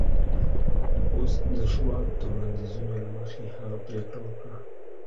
اوس د شواب د وړاندیزونو له مخې هغه پرېکړه وکړه